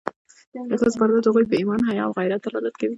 د ښځو پرده د هغوی په ایمان، حیا او غیرت دلالت کوي.